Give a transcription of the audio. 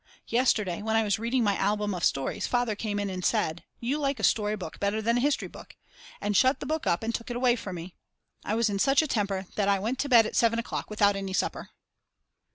Yesterday when I was reading my album of stories, Father came in and said: You like a story book better than a history book, and shut the book up and took it away from me. I was in such a temper that I went to bed at 7 o'clock without any supper.